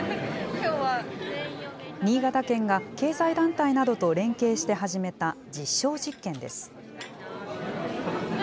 新潟県が経済団体などと連携して始めた実証実験です。